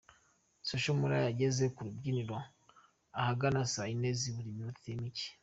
Social Mula yageze ku rubyiniro ahagana saa yine zibura iminota mike.